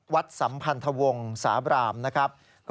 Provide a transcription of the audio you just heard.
สัมพันธวงศาบรามนะครับ